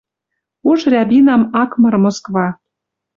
Уж «Рябинам» ак мыры Москва.